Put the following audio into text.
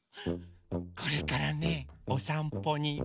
これからねおさんぽにいくの。